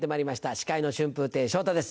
司会の春風亭昇太です。